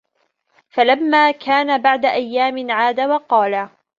فَلَمَّا كَانَ بَعْدَ أَيَّامٍ عَادَ وَقَالَ